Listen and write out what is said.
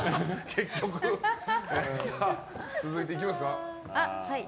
続いていきますか。